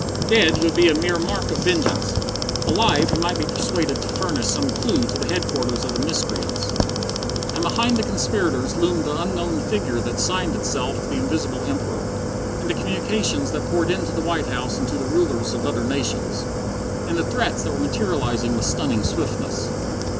Dead, he would be a mere mark of vengeance: alive, he might be persuaded to furnish some clue to the headquarters of the miscreants. And behind the conspirators loomed the unknown figure that signed itself the Invisible Emperor in the communications that poured in to the White House and to the rulers of other nations. In the threats that were materializing with stunning swiftness.